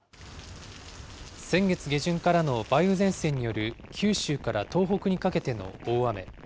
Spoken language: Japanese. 先月下旬からの梅雨前線による九州から東北にかけての大雨。